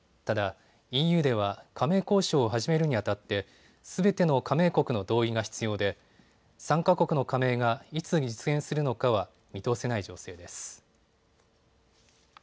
ただ、ＥＵでは加盟交渉を始めるにあたってすべての加盟国の同意が必要で３か国の加盟がいつ実現するのかは見通せない情勢です。